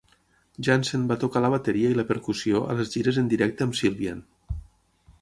Jansen va tocar la bateria i la percussió a les gires en directe amb Sylvian.